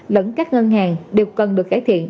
lẫn các ngân hàng đều cần được cải thiện